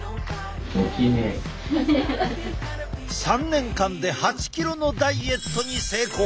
３年間で８ｋｇのダイエットに成功！